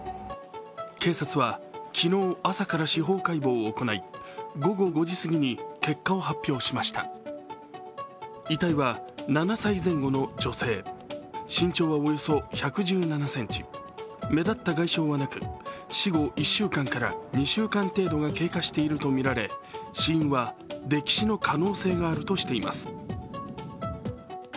警察は、昨日、朝から司法解剖を行い午後５時すぎに結果を発表しました遺体は７歳前後の女性身長はおよそ１１７ｃｍ、目立った外傷はなく、死後１週間から２週間程度が経過しているとみられ死因は溺死の可能性があるとしています。